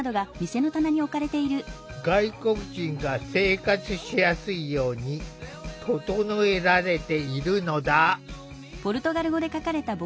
外国人が生活しやすいように整えられているのだ。